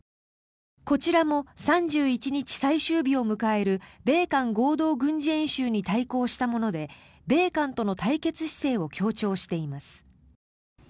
こちらも３１日、最終日を迎える米韓合同軍事演習に対抗したもので米韓との対決姿勢を強調しています。